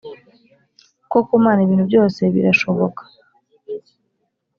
kuko ku Mana ibintu byose birashoboka